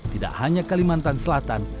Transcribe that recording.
tidak hanya kalimantan selatan